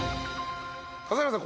笠原さん